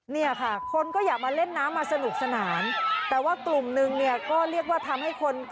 เนี่ยค่ะคนก็อยากมาเล่นน้ำมาสนุกสนานแต่ว่ากลุ่มนึงเนี่ยก็เรียกว่าทำให้คน